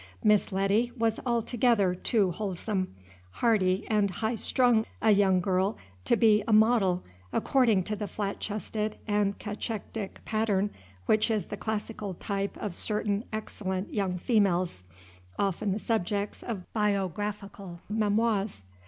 Miss Letty was altogether too wholesome, hearty, and high strung a young girl to be a model, according to the flat chested and cachectic pattern which is the classical type of certain excellent young females, often the subjects of biographical memoirs.